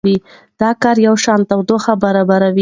دا کار یوشان تودوخه برابروي.